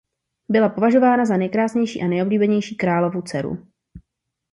Byla považována za nejkrásnější a nejoblíbenější královu dceru.